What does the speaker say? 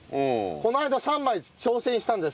この間３枚挑戦したんですけど